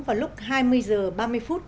vào lúc hai mươi h ba mươi phút